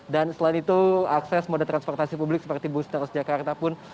dan selain itu akses moda transportasi publik seperti bus taros jakarta pun